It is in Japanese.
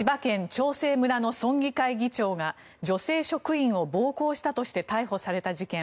長生村の村議会議長が女性職員を暴行したとして逮捕された事件。